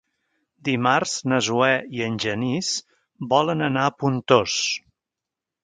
Dimarts na Zoè i en Genís volen anar a Pontós.